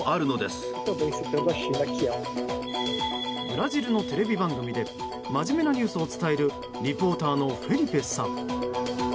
ブラジルのテレビ番組で真面目なニュースを伝えるリポーターのフェリペさん。